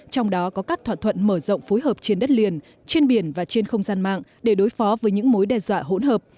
trong đó có các thỏa thuận mở rộng phối hợp trên đất liền trên biển và trên không gian mạng để đối phó với những mối đe dọa hỗn hợp